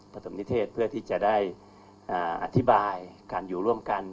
ฐมนิเทศเพื่อที่จะได้อธิบายการอยู่ร่วมกัน